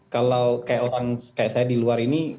kalau kayak orang kayak saya di luar ini